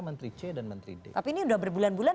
menteri c dan menteri d tapi ini udah berbulan bulan